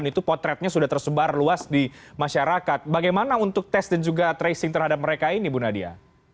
dan itu potretnya sudah tersebar luas di masyarakat bagaimana untuk test dan juga tracing terhadap mereka ini bu nadia